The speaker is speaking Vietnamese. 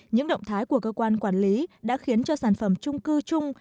những động thái của cơ quan quản lý đã khiến cho sản phẩm trung cư chung